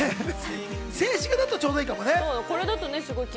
静止画だとちょうどいいのかもね。